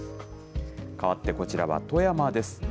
かわってこちらは富山です。